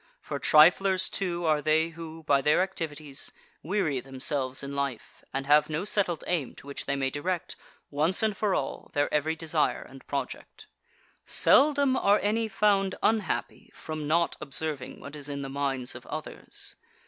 For triflers, too, are they who, by their activities, weary themselves in life, and have no settled aim to which they may direct, once and for all, their every desire and project. 8. Seldom are any found unhappy from not observing what is in the minds of others.